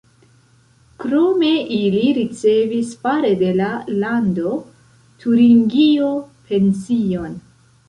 Krome ili ricevis fare de la Lando Turingio pension.